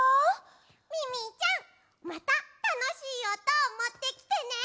ミミィちゃんまたたのしいおとをもってきてね。